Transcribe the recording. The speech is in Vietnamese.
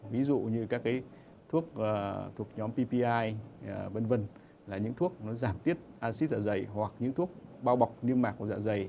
ví dụ như các thuốc thuộc nhóm ppi v v là những thuốc nó giảm tiết acid dạ dày hoặc những thuốc bao bọc niêm mạc hoặc dạ dày